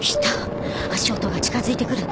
足音が近づいてくる。